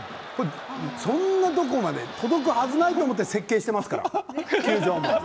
そんなところまで届くはずないと思って設計していますから球場も。